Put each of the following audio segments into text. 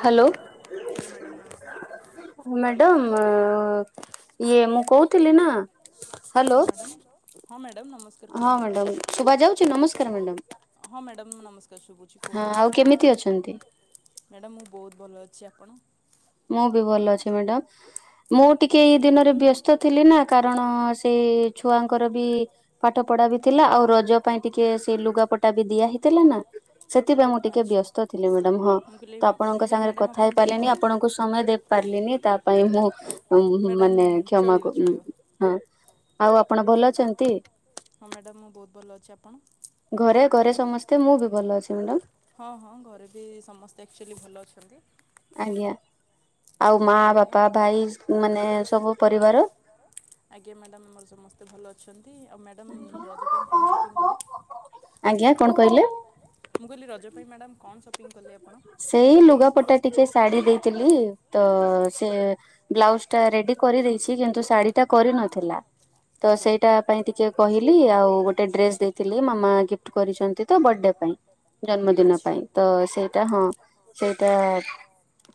Hello madam ଇଏ ମୁଁ କହୁଥିଲି ନା ହ୍ୟାଲୋ ହଁ ଶୁଭା ଯାଉଛି ନମସ୍କାର ମାଡାମ। ହଁ ଆଉ କେମିତି ଅଛନ୍ତି। ମୁଁ ବହୁତ ଭଲ ଅଛି। ଆପଣ? ମୁଁ ବି ଭଲ ଅଛି ମ୍ୟାଡ଼ାମ। ମୁଁ ଟିକେ ଏଇ ଦିନରେ ବ୍ୟସ୍ତ ଥିଲି ନା କାରଣ ସେଇ ଛୁଆଙ୍କର ବି ପାଠ ପଢା ବି ଥିଲା ଆଉ ରଜ ପାଇଁ ଟିକେ ସେ ଲୁଗାପଟା ବି ଦିଆ ହେଇଥିଲା ନା ସେଥିପାଇଁ ମୁଁ ଟିକେ ବ୍ୟସ୍ତ ଥିଲି ମ୍ୟାଡ଼ାାମ। ହଁ ତ ଆପଣଙ୍କ ସାଙ୍ଗରେ କଥା ହେଇପାରିଲନି ସମୟ ଦେ ପାରିଲିନି ତା ପାଇଁ ମୁଁ ମାନେ କ୍ଷମା ହ ଆଉ ଆପଣ ଭଲ ଅଛନ୍ତି। ଘରେ ଘରେ ସମସ୍ତେ ମୁଁ ବି ଭଲ ଅଛି ମ୍ୟାଡାମ। ଭଲ ଅଛନ୍ତି। ଆଜ୍ଞା। ଆଜ୍ଞା ମ୍ୟାଡ଼ାମ। ଆଜ୍ଞା ମ୍ୟାଡ଼ାମ ଆମର ସମସ୍ତେ ମୋତେ ଭଲ ଅଛନ୍ତି ଆଉ ମ୍ୟାଡ଼ାମ ରଜ ପାଇଁ କଣ ଶୋପିଂ କଲେ। ମୁ କହିଲି ରଜ ମ୍ୟାଡ଼ାମ କଣ ସପିଂ କଲେ ଆପଣ। ସେଇ ଲୁଗାପଟା ଟିକେ ଶାଢୀ ଦେଇଥିଲି ତ ସେ ବ୍ଲାଉଜ ଟା ରେଡି କରିଦେଇଛି କିନ୍ତୁ ଶାଢୀ ଟା କରିନଥିଲା। ତ ସେଇଟା ପାଇଁ ଟିକେ କହିଲି ଆଉ ଗୋଟେ ଡ୍ରେସ ଦେଇଥିଲି ମାମା ଗିଫ୍ଟ କରିଛନ୍ତି ତ ବର୍ଥଡେ ପାଇଁ ଜନ୍ମଦିନ ପାଇଁ ତ ସେ ହଁ ସେଇଟା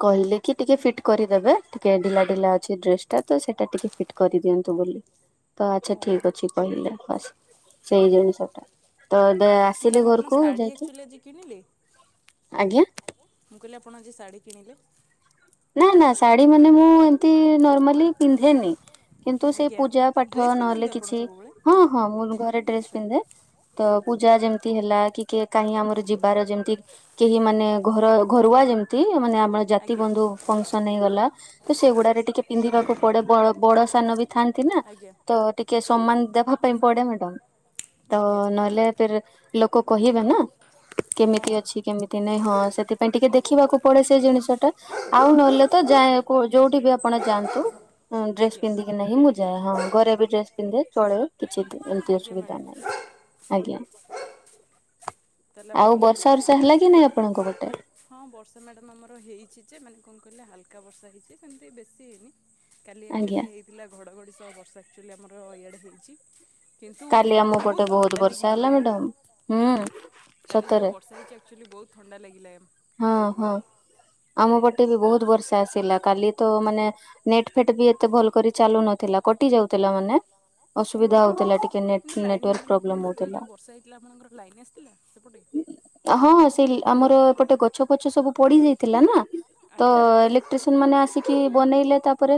କହିଲେ ଟିକେ ଟିକେ ଫିଟ୍ କରିଦେବେ ଟିକେ ଢିଲା ଢିଲା ଅଛି ଡ୍ରେସ ଟା ତ ସେଇଟା ଟିକେ ଫିଟ୍ କରିଦିଅନ୍ତୁ ବୋଲି। ତ ଆଚ୍ଛା ଠିକ ଅଛି କହିଲେ ହସ୍ ସେଇ ଜିନିଷ ଟା ତ ଆସିଲି ଘରକୁ ଯାଇକି ଆଜ୍ଞା। ମୁଁ କହିଲି ଆପଣ ଆଜି ଶାଢ଼ୀ କିଣିଲେ। ନା ନା ଶାଢୀ ମାନେ ମୁଁ ଏମତି ନର୍ମାଲି ପିନ୍ଧେନି। କିନ୍ତୁ ସେ ପୂଜା ପାଠ ନହେଲେ କିଛି ହଁ ହଁ ମୁଁ ଘରେ ଡ୍ରେସ୍ ପିନ୍ଧେ। ତ ପୂଜା ଯେମତି ହେଲା କି କାହିଁ ଆମର ଯିବାର ଯେମିତି କେହି ମାନେ ଘର ଘରୁଆ ଯେମତି ମାନେ ଆଜ୍ଞା। ଗଲା ତ ସେଗୁଡାାରେ ଟିକେ ପିନ୍ଧିବାକୁ ପଡେ ବଡ ସାନ ବି ଥାନ୍ତି ନା ତ ଟିକେ ସମାନ ଦେବା ପାଇଁ ପଡେ ମ୍ୟାଡାମ ତ ନହେଲେ ଫ ଲୋକ କହିବେ ନା କେମିତି ଅଛି କେମିତି ନାଇଁ ହଁ ସେଥିପାଇଁ ଟିକେ ଦେଖିବାକୁ ପଡେ ସେ ଜିନିଷ ଟା ଆଉ ନହେଲେ ତ ଯାଏ ଯୋଉଠି ବି ଆପଣ ଯାଆନ୍ତୁ ଡ୍ରେସ ପିନ୍ଧିକି ନାହିଁ ମୁଁ ଯାଏ ହଁ ଘରେ ବି ଡ୍ରେସ ପିନ୍ଧେ ଚଳେ କିଛି ଏମିତି ଅସୁବିଧା ନାହିଁ ଆଜ୍ଞା ତାହେଲେ ଆପଣ ଯାଇକି ହଁ ବର୍ଷା ମ୍ୟାଡାମ ଆମର ହେଇଛି ଯେ ମାନେ କଣ କିଲେ ହାଲକା ବର୍ଷା ହେଇଛି ସେମିତି ବେଶୀ ହେଇନି। କାଲି ଆଚୁଆଲି ହେଇଥିଲା ଘଡଘଡି ଅ ବର୍ଷା ଆକ୍ଚୁଆଲି ଆମର ଇଆଡ଼େ ହେଇଛି। କାଲି ଆମ ପଟେ ବହୁତ ବର୍ଷା ହେଲା ମ୍ୟାଡାମ ହୁଁ। କାଲି ଯଉ ବର୍ଷା ହେଇଛି ଆକଚୁଆଲି ବହୁ ଥଣ୍ଡା ଲାଗିଲା [unintelligible] ଆଜ୍ଞା [inaudible] ଆଜ୍ଞା କିନ୍ତୁ ଲାଇନ ମାଡାମ ଆପଣଂକର କାଲି ଯଉ ବର୍ଷା ହେଇଥିଲା କାଲି ଆପଣଂକର ଲାଇନ ଆସିଥିଲା। ହଁ ହଁ ସେଇ ଆମର ଏପଟ ଗୋଟେ ଗଛ ପଛ ସବୁ ପଡି ଯାଇଥିଲା ନା ତ ଇଲେକ୍ଟ୍ରିସିଆନ ମାନେ ଆସିକି ବନେଇଲେ ତାପରେ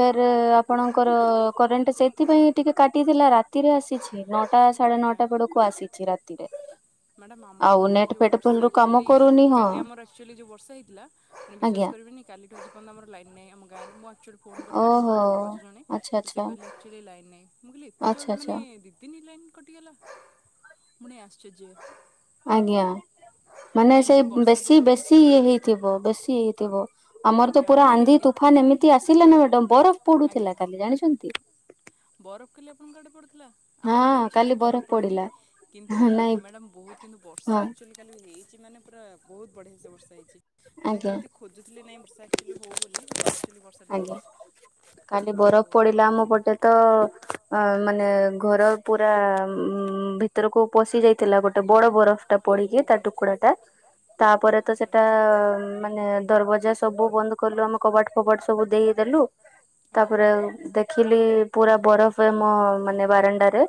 ଫେର ଆପଣଙ୍କର କରେଣ୍ଟ ସେଇଥିପାଇଁ ଟିକେ କାଟିଥିଲା ରାତିରେ ଆସିଛି ନଅଟା ସାଢେ ନଅଟା ବେଳକୁ ଆସିଛି ରାତିରେ। ମ୍ୟାଡ଼ାାମ ଆମର ତ କାଲି ଯଉ ବର୍ଷା ଆକ୍ଚୁଆଲି କାଲି ଆମର ଆକଚୁଆଲି ଯଉ ବର୍ଷା ହେଇଥିଲା ଆଉ ବିଶ୍ୱାସ କରିବନି କାଲିଠୁ ଆଜି ପଯ୍ୟନ୍ତ ଆମର ଲାଇନ୍ ନାହିଁ ଆମ [unintelligible] ଆକଚୁଆଲି ଫୋନ କରିଥିଲେ ଆମ ଘରକୁ ଭାଉଜ ଜଣେ ତ ସେ କହିଲେ ଆକଚୁଆଲି ଲାଇନ ନାଇଁ। ମୁଁ କହିଲି ଏତେଦ [unintelligible] ମାନେ ଦିଦି ଦିନ ଲାଇନ କଟିଗଲା। ପୁଣି ଆସିଛି ଜଉ ଆଜ୍ଞା ମାନେ ସେଇ ବେଶୀ ବେଶୀ ଇଏ ହେଇଥିବ ବେଶୀ ହେଇଥିବ ଆମର ତ ପୁରା ଆନ୍ଧି ତୁଫାନ ଏମିତି ଆସିଲା ନା ମ୍ୟାଡ଼ାମ ବରଫ ପଡୁଥିଲା କାଲି ଜାଣିଛନ୍ତି। ବରଫ କଲି ଆପଣଙ୍କ ଆଡେ ପଡୁଥିଲା। ଆମ ଆଡେ ଆକଚୁଆଲି ବରଫ ପଡିନି କିନ୍ତୁ ମ୍ୟାଡମ ବହୁତ କିନ୍ତୁ ବର୍ଷାଆକଚୁଆଲି ହେଇଛି। ଆଜି ମାନେ ପୁରା ବହୁତ ବଢିଆ ସେ ବର୍ଷା ହେଇଛି। ମାନେ ଯେମତି ଖୋଜୁଥିଲେ ନାଇଁ ବର୍ଷାଚୁ ହଉ ବୋଲିମ ବର୍ଷା ହେଇଛି ଆଉ ଅ ମାନେ ଘର ପୁରା ଭିତ ଭିତରକୁ ପଶି ଯାଇଥିଲା ଗୋଟେ ବଡ ବରଫ ଟା ପଡିକି ତା ଟୁକୁଡା ଟା ତାପରେ ତ ସେଟା ମାନେ ଦରବାଜା ସବୁ ବନ୍ଦ କଲୁ ଆମେ କବାଟ ଫବାଟ ସବୁ ଦେଇଦେଲୁ ତାପରେ ଦେଖିଲି ପୁରା ବରଫ ଆମ ମାନେ ବାରଣ୍ଡାରେ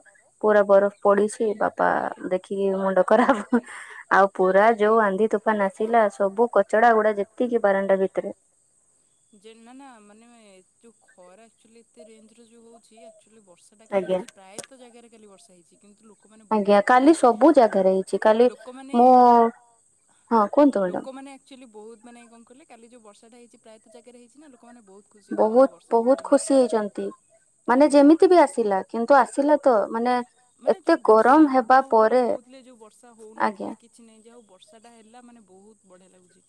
ପୁରା ବରଫ ପଡିଛି ବାପରେ ବାପ ଆ ଦେଖିକି ମୁଣ୍ଡ ଖରାପ ଆଉ ପୁରା ଯୋଉ ଆନ୍ଧି ତୁଫାନ ଆସିଲା ସବୁ କ ଗୁଡା ଯେତିକି ବାରଣ୍ଡା ଭିତରେ ଯୋଉ ଖରା ଆକଚୁଆଲି ଏତେ ରେଞ୍ଜରେ ଯୋଉ ହଉଛି ଚୁଲି ବର୍ଷାଟା କାଲି ହେଇଚି। ପ୍ରାୟତଃ ଜାଗାରେ କାଲି ବର୍ଷା ହେଇ ହୁଁ କିନ୍ତୁ ଲୋକମାନେ ବୋହୁତ କାଲି ସବୁ ଜାଗାରେ ହେଇଚି କାଲି ମୁଁ ହଁ କୁହନ୍ତୁ ମାଡାମ କାଲି ବୋହୁତ ମାନେ କଣ କଲେ କାଲି ଯୋଉ ବର୍ଷାଟା ହେଉଚି ପ୍ରାୟତଃ ଜାଗାରେ ହେଇଚି ନାଁ ଲୋ କମାନେ ବୋହୁତ ଖୁସି ଅଛନ୍ତି କି ବର୍ଷା ଆକ୍ଚୁଲି ହେଇଚି ବୋଲି। ଆଜ୍ଞା। ମାନେ ଯୋଉ ବର୍ଷା ହ ବୋଲି କୋହୁଥିଲେ ଯୋଉ ବର୍ଷା ହୋଉନଥିଲା କିଛି ନାହିଁ। ଯା ହୋଉ ବର୍ଷାଟା ହେଲା ମାନେ ବୋହୁତ ବଢ଼ିଆ ଲାଗୁଚି।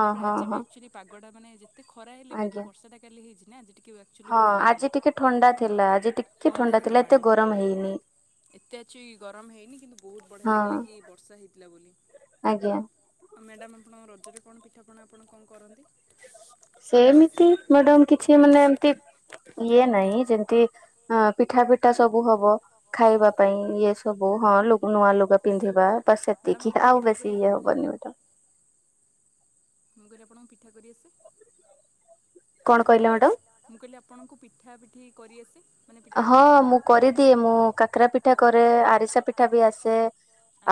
ତାପରେ ଆଜି ବି ଆକ୍ଚୁଲି ପାଗଟା ମାନେ ଯେ ଏତେ ଖରା ହେଲେ ବି ଯୋଉ ବର୍ଷାଟା କାଲି ହେଇଚି ନିହାତି ଟି ହଁ ଆଜି ଟିକେ ଥଣ୍ଡା ଥିଲା, ଯେ ଆଜି ଟିକେ ଥଣ୍ଡା ଥିଲା ଏତେ ଗରମ ହେଇନି। ହେଇନି କିନ୍ତୁ ବୋହୁତ ବଢିଆ ଲାଗିଲା କି ବର୍ଷା ହେଇଥିଲା ବୋଲି। ଆଉ ମ୍ୟାଡ଼ାାମ ଆପଣ ରଜରେ କଣ ପିଠାପଣା ଆପଣ କଣ କରନ୍ତି? ସେମିତି ମ୍ୟାଡମ କିଛି ମାନେ ଏମତି ଇଏ ନାଇଁ। ଯେମିତି ଅ ପିଠା ପି ଟା ସବୁ ହବ ଖାଇବା ପାଇଁ ଇଏ ସବୁ ହଁ ଲୁ ନୂଆ ଲୁଗା ପିନ୍ଧିବା ବା ସେତିକି ଆଉ ବେଶୀ ଇଏ ହବନି ଏଟା। [inaudible] ମୁଁ କହିଲି ଆପଣଙ୍କୁ ପିଠା କରି ଆସେ? ମୁଁ କହିଲି ଆପଣଙ୍କୁ ପିଠା ପିଠି କରି ଆସେ? ହଁ ମୁଁ କରିଦିଏ ମୁଁ କାକରା ପିଠା କରେ ଆରିସା ପିଠା ବି ଆସେ,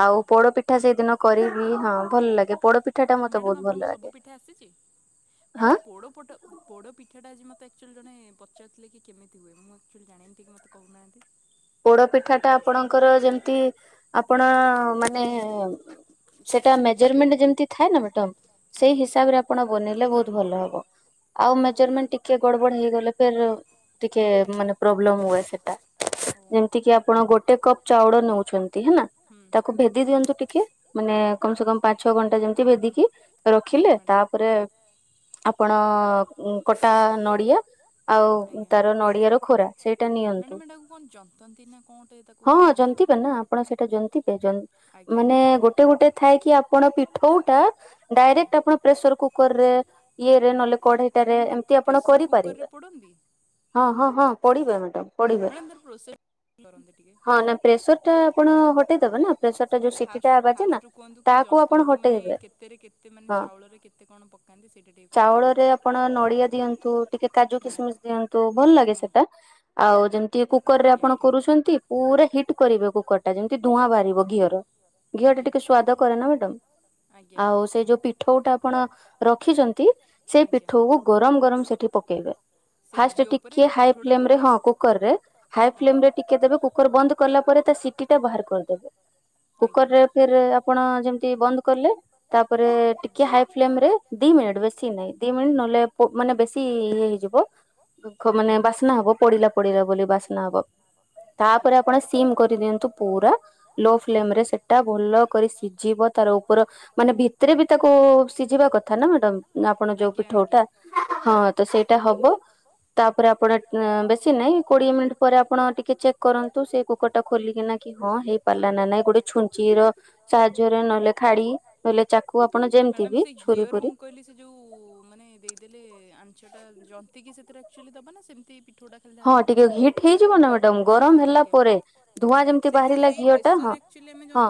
ଆଉ ପୋଡପିଠା ସେଇଦିନ କରିବି ହଁ ଭଲ ଲାଗେ ପୋଡପିଠାଟା ମତେ ବୋହୁତ ଭଲ ଲାଗେ [inaudible] ହାଁ? ଠାଟା ଆଜି ମତେ ଆକ୍ଚୁଲି ଜଣେ ପଚାରଥିଲେ କି କେମତି ହୁଏ, ମୁଁ ଆକ୍ଚୁଲି ଜାଣିନି ଟିକେ ମତେ କହୁନାହାନ୍ତି। ପୋଡ ପିଠାଟା ଆପଣଙ୍କର ଯେମିତି ଆପଣ ମାନେ ସେ ଟା ମେଜରମେଣ୍ଟ ଯେମତି ଥାଏ ନାଁ ମେଡମ୍ ସେଇ ହିସାବରେ ଆପଣ ବନେଇଲେ ବୋହୁତ ଭଲ ହବ, ଆଉ ମେଜରମେଣ୍ଟ ଟିକେ ଗଡ଼ ବଡ଼ ହେଇଗଲେ ଫେର୍ ଟିକେ ମାନେ ପ୍ରୋବ୍ଲଲେମ୍ ହୁଏ ସେଟା। ଯେମତି କିି ଆପଣ ଗୋଟେ କପ୍ ଚାଉଳ ନୋଉଛନ୍ତି ହେଲା ତାକୁ ଭେଦେଇ ଦିଅନ୍ତୁ ଟିକେ ମାନେ କମ ସେ କମ ପାଞ୍ଚ ଛଅ ଘଣ୍ଟା ଯେମତି ଭେଦିକି ରଖିଲେ ତାପରେ ଆପଣ ଉଁ କଟା ନଡ଼ିଆ ଆଉ ତାର ନଡ଼ିଆର ଖରା ସେଇଟା ନିଅନ୍ତୁ। ହଁ ଜନ୍ତିବେ ନାଁ ଆପଣ ସେଇଟା ଜନ୍ତିବେ ଜ ମାନେ ଗୋଟେ ଗୋଟେ ଥା ଆ କି ଆପଣ ପିଠଉଟା ଡାଇରେକ୍ଟ ଆପଣ ପ୍ରେସର କୁକରରେ ଇଏରେ ନଲେ କଢ଼େଇଟାରେ ଏମତି ଆପଣ କରି ପାରିବେ, ହଁ ହଁ ହଁ ପଡ଼ିବେ ମାଡ଼ାମ୍ ତା ପ୍ରୋସେସ୍ [inaudible] ହଁ ନା ପ୍ରେସରଟା ଆପଣ ହଟେଇଦବେ ନା ପ୍ରେସର ଟା ଯୋଉ ସିଟିଟା ବାଜେ ନା ତାକୁ ଆପଣ ହଟେଇଦବେ ହଁ ଚାଉଳରେ ଆପଣ ନଡିଆ ଦିଅନ୍ତୁ, ଟିକେ କାଜୁ କିସମିସ ଦିଅନ୍ତୁ, ଭଲ ଲାଗେ ସେଟା ହଉ ଯେ କୁକର ରେ ଆପଣ କରୁଛନ୍ତି, ପୁରା ହିଟ୍ କରିବେ କୁକର ଟା ଯେମିତି ଧୂଆଁ ବାହାରିବ ଘିଅର ଘିଅ ଟା ଟିକେ ସ୍ଵାଦ କରେ ନା ମ୍ୟାଡାମ୍ ଆଉ ସେ ଯୋଉ ପିଠଉଟା ଆପଣ ରଖିଛନ୍ତି, ସେଇ ପିଠଉକୁ ଗରମ ଗରମ ସେଠି ପକେଇବେ, ଫାଷ୍ଟ ଟିକେ ହାଇ ଫ୍ଲେମରେ ହଁ କୁକରରେ ହାଇ ଫ୍ଲେମ ରେ ଟିକେ ଦେବେ କୁକର ବନ୍ଦ କଲା ପରେ ତା ସିଟି ଟା ବାହାର କରିଦେବେ କୁକର ରେ ଫେର୍ ଆପଣ ଯେମତି ବନ୍ଦ କଲେ ତାପରେ ଟିକେ ହାଇ ଫ୍ଲେମ ରେ ଦି ମିନିଟ ବେଶୀ ନାହିଁ ଦି ମିନିଟ ନହେଲେ ମାନେ ବେଶୀ ଇଏ ହେଇଯିବ ମାନେ ବାସ୍ନା ହେବ ପୋଡିଲା ପୋଡିଲା ବୋଲି ବାସ ତାପରେ ଆପଣ ସିମ କରିଦିଅନ୍ତୁ ପୁରା ଲୋ ଫ୍ମେମ୍ ରେ ସେଟା ଭଲ କରି ସିଝିବ ତାର ଉପର ମାନେ ଭିତରେ ବି ତାକୁ ସିଝିବା କଥା ନା ମ ଆପଣ ଯୋଉ ପିଠଟା ହଁ ତ ସେଇଟା ହବ ତାପରେ ଆପଣ ବେଶୀ ନାଇ କୋଡିଏ ମିନିଟ୍ ପରେ ଆପଣ ଟିକେ ଚେକ୍ କରନ୍ତୁ ସେ କୁକୁର ଟା ଖୋଲିକିନା କି ହଁ ହେଇପାରିଲା ନା ନାଇଁ ଗୋଟେ ଛୁଞ୍ଚି ର ସାହାଯ୍ୟରେ ନହେଲେ ଖାଡି ନହେଲେ ଚାକୁ ଆପଣ ଯେମିତି ବି ଛୁରୀ ପରି ଶିଟି ଦବ ନା ସେମିତି ପିଠଟା ଖାଲି ଢାଳିବା ହିଟ୍ ହେଇଯିବ ନା ମ୍ୟାଡାମ ଗରମ ହେଲା ପରେ ଧୂଆଁ ଯେମିତି ବାହାରିଲା ଘିଅ ଟା ହଁ ହଁ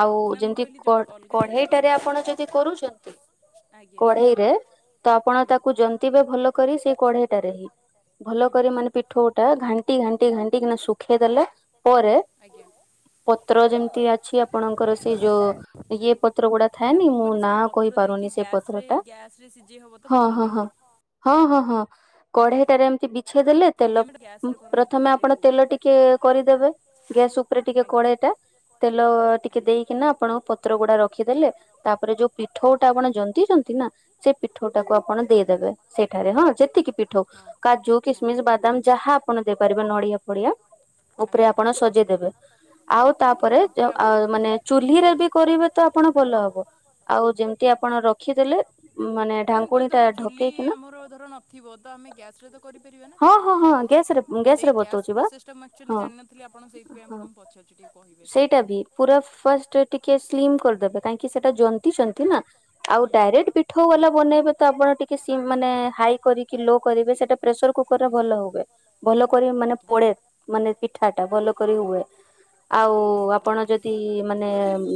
ଆଉ ଯେମିତି କଢେଇଟାରେ ଆପଣ ଯଦି କରୁଛନ୍ତି କଢେଇରେ ତ ଆପଣ ତାକୁ ଜନ୍ତିବେ ଭଲ କରି ସେ ପଢେ ଭଲ କରି ମାନେ ପିଠଉଟା ଘାଣ୍ଟି ଘାଣ୍ଟି ଘାଣ୍ଟି ଶୁଖେଇଦେଲା ପରେ ପତ୍ର ଯେମିତି ଅଛି ଆପଣଙ୍କର ସେ ଯୋଉ ଇଏ ପତ୍ର ଗୁଡା ଥାଏନି ମୁଁ ନା କହିପାରୁନି ସେ ପତ୍ର ଟା ହଁ ହଁ ହଁ ହଁ ହଁ ହଁ କଢେଇଟାରେ ଏମତି ପଛେଇ ଦେଲେ ତେଲ ପ୍ରଥମେ ଆପଣ ତେଲ ଟିକେ କରିଦେବେ ଗ୍ୟାସ୍ ଉପରେ ଟିକେ କଡେଇ ଟା ତେଲ ଟିକେ ଦେଇକିନା ଆପଣ ପତ୍ର ଗୁଡା ରଖିଦେଲେ ତାପରେ ଯୋଉ ପିଠୋଉଟା ଆପଣ ଜନ୍ତିଛନ୍ତି ନା ସେ ପିଠୋଉଟାକୁ ଆପଣ ଦେଇଦେବେ ସେଇଠାରେ ହଁ ଯେ କି ପିଠୋଉ କା ଯୁ କିସମେ ତେ ବାଦାମ ଯାହା ଆପଣ ଦେଇପାରିବେ ନଡିଆ ପଡିଆ ଉପରେ ଆପଣ ସଜେଇଦବେ ଆଉ ତାପରେ ମାନେ ଚୁ୍ଲିରେ ବି କରିବେ ତ ଆପଣ ଭଲ ହବ ଆଉ ଯେମିତି ଆପଣ ରଖିଦେଲେ ମାନେ ଢାଙ୍କୁଣୀ ଟା ଢକେଇକିନା ଥିବ ତ ଆମେ ଗ୍ୟାସ ରେ ତ କରିପାର ହଁ ହଁ ହଁ ଗ୍ୟାସରେ ଗ୍ୟାସରେ ବତଉଛି ବା ହଁ ହଁ ସେଇଟା ବି ପୁରା ଫାଷ୍ଟ ଟିକେ ସ୍ମିମ୍ କରିଦେବେ କାହିଁକି ସେଟା ଜନ୍ତିଛନ୍ତି ନା ଆଉ ଡାଇରେକ୍ଟ ପିଠୋଉ ବାଲା ବନେଇବେ ତ ଆପଣ ଟିକେ ସିମ୍ ମାନେ ହାଇ କରିକି ଲୋ କରିବେ ସେଇଟା ପ୍ରେସର କୁକର ପୁରା ଭଲ ହୁଏ ଭଲ କରି ମାନେ ପୋଡେ ମାନେ ପିଠା ଟା ଭଲ କରି ହୁଏ ଆଉ ଆପଣ ଯଦି ମାନେ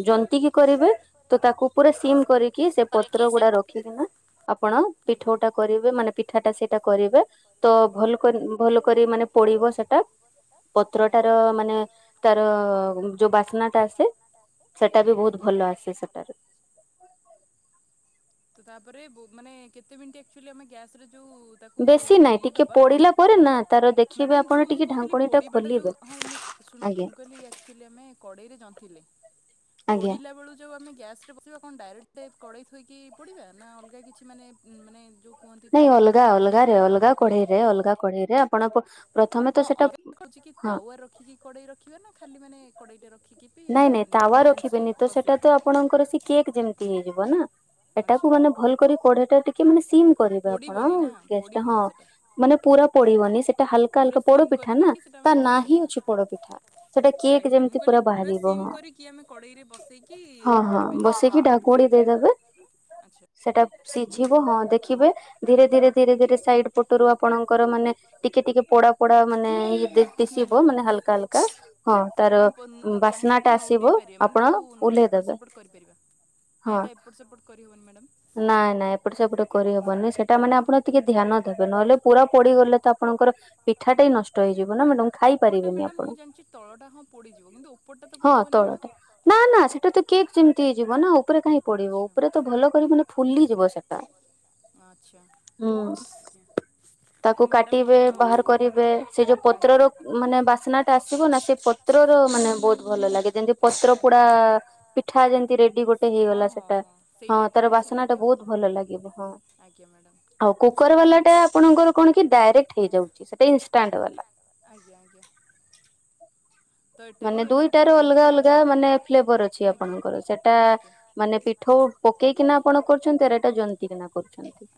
ଜନ୍ତିକି କରିବେ ତ ତାକୁ ପୁରା ସିମ କରିକି ସେ ପତ୍ର ଗୁଡା ରଖିକିନା ଆପଣ ପିଠୋଉଟା କରିବେ ମାନେ ପିଠା ଟା ସେଇଟା କରିବେ ତ ଭଲ କରି ଭଲ କରି ମାନେ ପଡିବ ସେଟା ପତ୍ରଟାର ମାନେ ତାର ଯୋଉ ବାସ୍ନା ଟା ଆସେ ସେଟା ବି ବହୁତ ଭଲ ଆସେ ସେଟାରେ ତାପରେ କେତେ ମିନିଟ୍ ଆକ୍ଚୁଆଲି ଆମେ ଗ୍ୟାସ୍ ରେ। ତା ବା ମୁ କହୁଥିଲି ପୋାଁ ମୁୁଣ ମୁଁ କହିଲି କ [inaudible] ଥିଲେ ପୋଡିଲା ବେଳୁ ଯେଉ ଆମେ ଗ୍ୟାସ ରେ ବସିବା କଣ ଡାଇରେଟ ତଳେ ଥୋଇକି ପୋଡିବା ନା ଅଲଗା କିଛି ମାନେ ନେଉ ନାଇଁ ଅଲଗା ଅଲଗାରେ ଅଲଗା କଢେଈରେ ଅଲଗା କଢେଈରେ ଆପଣଙ୍କ ପ୍ରଥମେ ତ ସେଇଟା ହଁ ନାହିଁ ନାହିଁ ତାୱା ରଖିବେନି ତ ସେଟା ଆପଣଙ୍କର ସେ କେକ୍ ଯେମିତି ହୋଇଯିବ ନା ଏଠାକୁ ମାନେ ଭଲ କରି କଢ଼େଇ ଟାକୁ ଟିକେ ମାନେ ସିମ୍ କରିଥିଲେ ଆପଣା ଟେଷ୍ଟ ଟା ହଁ ମାନେ ପୁରା ପୋଡିବନି ହାଲକା ହାଲକା ପୋଡପିଠା ନା ତା ନା ହିଁ ଅଛି ପୋଡପିଠା ସେଟା କେକ୍ ଯେମିତି ପୁରା ବାହାରିବ ହଁ ହଁ ହଁ ବସେଇିକି ଢାଙ୍କୁଣି ଦେଇଦବେ ସେଟା ସିଝିବ ହଁ ଦେଖିବେ ଧୀରେ ଧୀରେ ଧୀରେ ଧୀରେ ସାଇଡ ପଟରୁ ଆପଣଙ୍କର ମାନେ ଟିକେ ପୋଡା ପୋଡା ମାନେ ଦିଶିବ ମାନେ ହାଲକା ହାଲକା ହଁ ତାର ବାସ୍ନା ଟା ଆସିବ ଆପଣ ଓହ୍ଲେଇଦବେ ହଁ ନାଇଁ ନାଇଁ ଏପଟେ ସେପଟ କରିହବନି। ସେଟା ମାନେ ଆପଣ ଟିକେ ଧ୍ୟାନ ଦେବେ। ନହେଲେ ପୁରା ପୋଡିଗଲେ ତ ଆପଣଙ୍କ ପିଠାଟାଏ ନଷ୍ଟ ହେଇଯିବ ନା ମ୍ୟାଡମ୍ ଖାଇପାରିବେନି ଆପଣ। ହଁ ତଳଟା। ନା ନା ସେଟା ତ କେକ୍ ଯେମିତି ହେଇଯିବ ନା ଉପରେ କାହିଁ ପୋଡିବ ଉପରେ ତ ଭଲ [unintelligible] ଫୁଲିଯିବ ସେଟା ତାକୁ କାଟିବେ। ବାହାର କରିବେ ସେ ଯୋଉ ପତ୍ରର ମାନେ ବାସ୍ନା ଟା ଆସିବ ନା ସେ ପତ୍ରର ମାନେ ବହୁତ ଭଲ ଲାଗେ। ଯେମତି ପତ୍ର ପୋଡା ପିଠା ଯେମତି ରେଡି ଗୋଟେ ହେଇଗଲା। ସେଟା ହଁ ତାର ବାସ୍ନା ଟା ବହୁତ ଭଲ ଲାଗିବ। ହଁ ଆଉ କୁକର ବାଲା ଟା ଆପଣଙ୍କର କଣ କି ଡାରେକ୍ଟ ହେଇଯାଉଛି ସେଟା ଇନଷ୍ଟାଣ୍ଡ ବାଲା। [inaudible] ମାନେ ଦୁଇଟା ର ଅଲଗା ଅଲଗା ମାନେ ଫ୍ଲେଭର ଅଛି। ଆପଣଙ୍କର ସେଟା ମାନେ ପିଠଉ ପକେଇକିନା ଆପଣ କରୁଚନ୍ତି। ଏଟା ଜନ୍ତି କିିନା କରୁଚନ୍ତି। [inaudible]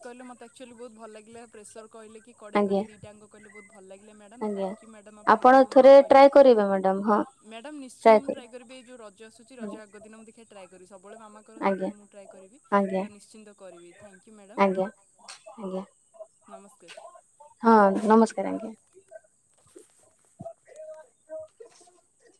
କହିଲ ମତେ ଆକ୍ଚୁଆଲି ବହୁ ଭଲ ଲାଗିଲା। ପ୍ରେସର କହିଲେ କି କଡେଇ କଲେ ଦିଟା ଆଙ୍କ କଲେ ବହୁତ ଭଲ ଲାଗିଲା ମ୍ୟାଡାମ। Thank you madam. ଆପଣ ଏତେ ସବୁ ମତେ କହିଲେ ମ୍ୟାଡାମ ନିଶ୍ଚିନ୍ତ ମୁଁ ଟ୍ରାଏ କରିବି। ଏ ଯୋଉ ରଜ ଆସୁଛି ରଜ ଆଗ ଦିନ ମୁଁ ଦେଖିଆ ଟ୍ରାଏ କରି କରି ସବୁ ସବୁବେଳେ ମାମା କରନ୍ତି। ଏପାଳି ମୁଁ ଟ୍ରାଏ କରିବି। ତ ନିଶ୍ଚିନ୍ତ କରିବି ଥାଙ୍କ କି ମ୍ୟାଡ଼ାମ। ଆଜ୍ଞା, [inaudible] ହଁ ନମସ୍କାର ଆଜ୍ଞା। [inaudible]